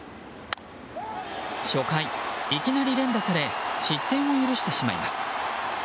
初回、いきなり連打され失点を許してしまいます。